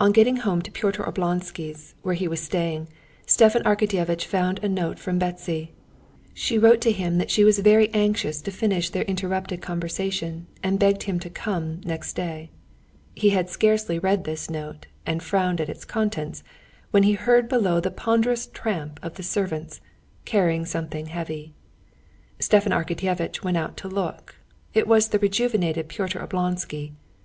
On getting home to Pyotr Oblonsky's, where he was staying, Stepan Arkadyevitch found a note from Betsy. She wrote to him that she was very anxious to finish their interrupted conversation, and begged him to come next day. He had scarcely read this note, and frowned at its contents, when he heard below the ponderous tramp of the servants, carrying something heavy. Stepan Arkadyevitch went out to look. It was the rejuvenated Pyotr Oblonsky.